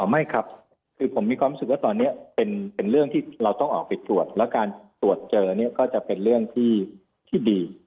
ไม่ครับคือผมมีความรู้สึกว่าตอนนี้เป็นเรื่องที่เราต้องออกไปตรวจแล้วการตรวจเจอเนี่ยก็จะเป็นเรื่องที่ดี